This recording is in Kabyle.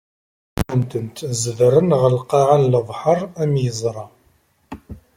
Lemwaǧi ɣumment-ten, zedren ɣer lqaɛa n lebḥeṛ, am yeẓra.